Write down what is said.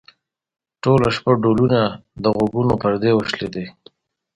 ټوله شپه ډولونه؛ د غوږونو پردې وشلېدې.